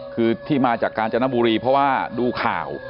คือที่มาจากกาญจนบุรีเพราะว่าดูข่าว